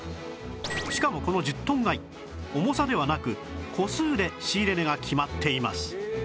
しかもこの１０トン買い重さではなく個数で仕入れ値が決まっています